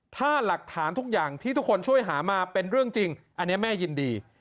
ถ้าหลักฐานทุกอย่างที่ทุกคนช่วยหามาเป็นเรื่องจริงอันนี้แม่ยินดี